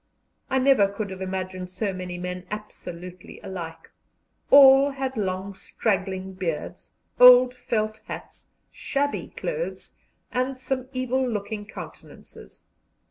I never could have imagined so many men absolutely alike: all had long straggling beards, old felt hats, shabby clothes, and some evil looking countenances.